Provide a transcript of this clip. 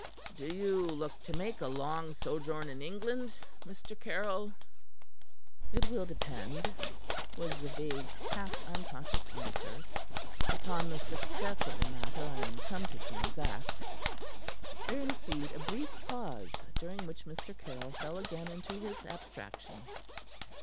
"Do you look to make a long sojourn in England, Mr. Caryll?" "It will depend," was the vague and half unconscious answer, "upon the success of the matter I am come to transact." There ensued a brief pause, during which Mr. Caryll fell again into his abstraction.